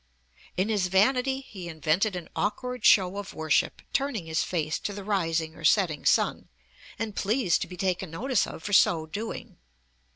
In his vanity he invented 'an awkward show of worship, turning his face to the rising or setting sun, and pleased to be taken notice of for so doing' (p.